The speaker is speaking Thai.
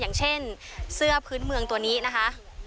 อย่างเช่นเสื้อพื้นเมืองตัวนี้นะคะ